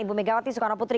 ibu megawati soekarnoputri